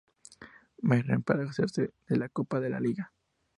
Mirren para hacerse con la Copa de la Liga.